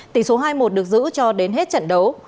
tỷ số hai một được giữ cho đến hết trận đấu